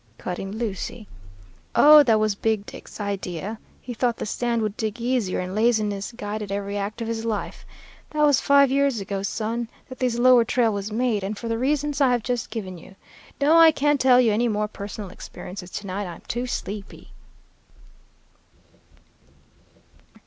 cut in Lucy. "Oh, that was Big Dick's idea. He thought the sand would dig easier, and laziness guided every act of his life. That was five years ago, son, that this lower trail was made, and for the reasons I have just given you. No, I can't tell you any more personal experiences to night; I'm too sleepy."